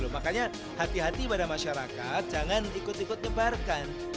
makanya hati hati pada masyarakat jangan ikut ikut nyebarkan